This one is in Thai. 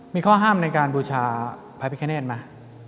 มีข้อห้ามในการบูชาพระพระคเนตมั้ย